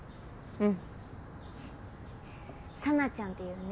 うん。